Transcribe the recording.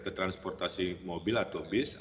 ke transportasi mobil atau bis